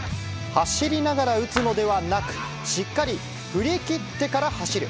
走りながら打つのではなく、しっかり振り切ってから走る。